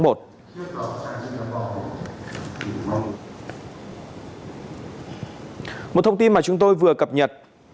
một thông tin mà chúng tôi vừa cập nhật